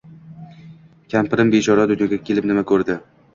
Kampirim bechora dunyoga kelib nima ko‘rdi.